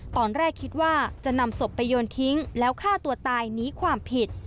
ตอนแรกคิดว่าจะนำศพไปโยนทิ้งแล้วฆ่าตัวตายหนีความผิด